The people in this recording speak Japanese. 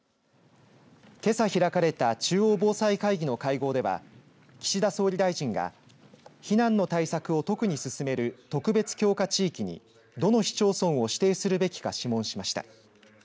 けさ開かれた中央防災会議の会合では岸田総理大臣が避難の対策を特に進める特別強化地域にどの市町村を指定するべきか諮問しました。